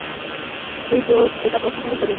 তুইতো এটা পছন্দ করিস?